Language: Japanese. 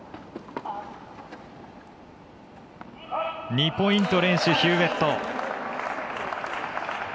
２ポイント連取、ヒューウェット。